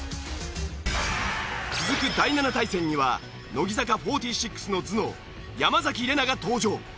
続く第７対戦には乃木坂４６の頭脳山崎怜奈が登場。